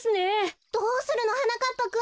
どうするの？はなかっぱくん。